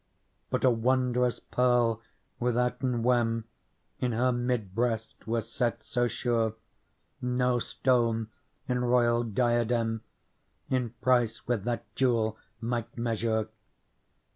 But a wondrous pearl withouten wem In her mid breast was set so sure. No stone in royal diadem In price with that jewel might measure.